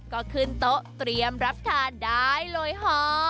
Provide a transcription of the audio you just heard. ก็ขึ้นโต๊ะเตรียมรับทานได้เลยหอ